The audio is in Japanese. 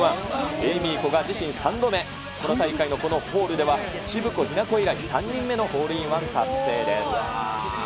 エイミー・コガ自身３度目、この大会のこのホールでは渋野日向子以来、３人目のホールインワン達成です。